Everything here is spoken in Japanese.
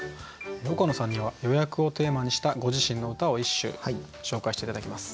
岡野さんには「予約」をテーマにしたご自身の歌を一首紹介して頂きます。